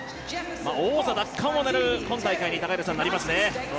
王座奪還を狙う今大会になりますね。